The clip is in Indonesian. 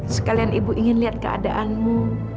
sekalian ibu ingin lihat keadaanmu